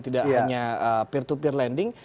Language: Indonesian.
tidak hanya peer to peer lending